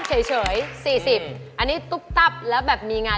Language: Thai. แพงกว่าแพงกว่าแพงกว่าแพงกว่า